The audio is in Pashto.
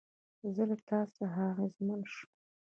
زه له تا څخه اغېزمن شوم